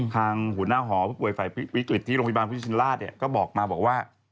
ทางหัวหน้าหอผู้ป่วยฝ่ายวิกฤตที่โรงพยาบาลพิชินราชก็บอกมาบอกว่า